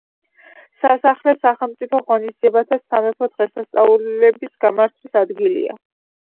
სასახლე სახელმწიფო ღონისძიებათა და სამეფო დღესასწაულების გამართვის ადგილია.